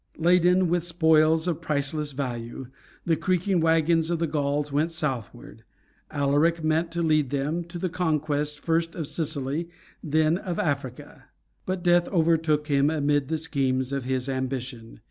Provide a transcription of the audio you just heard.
Laden with spoils of priceless value, the creaking wagons of the Gauls went southward. Alaric meant to lead them to the conquest first of Sicily, then of Africa. But death overtook him amid the schemes of his ambition.